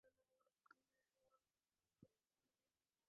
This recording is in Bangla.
ওহ, তারা আশাহত।